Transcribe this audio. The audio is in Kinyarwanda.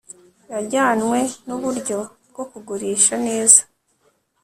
yajyanywe nuburyo bwo kugurisha neza